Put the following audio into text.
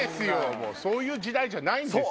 もうそういう時代じゃないんですよ。